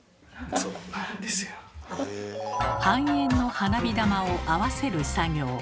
半円の花火玉を合わせる作業。